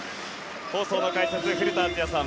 放送の解説は、古田敦也さん